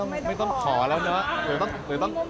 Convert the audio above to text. รุ่นผมคงไม่ต้องขอแล้วเนอะหรือต้องขอแบบนั้นเนอะ